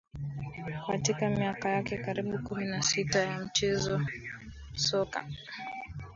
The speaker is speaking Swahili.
katika miaka yake karibu kumi na Sita ya kucheza soka